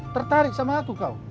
tertarik sama aku kau